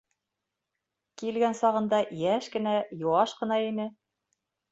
Килгән сағында йәш кенә, йыуаш ҡына ине.